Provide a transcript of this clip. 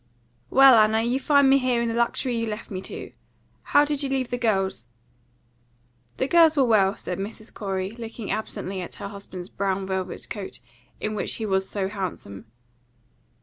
"Well, Anna, you find me here in the luxury you left me to. How did you leave the girls?" "The girls were well," said Mrs. Corey, looking absently at her husband's brown velvet coat, in which he was so handsome.